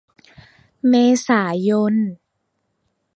เมษายน